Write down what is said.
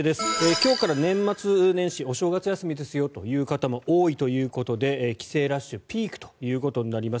今日から年末年始お正月休みですよという人も多いということで帰省ラッシュピークということになります。